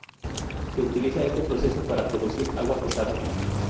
Se utiliza este proceso para producir agua pesada.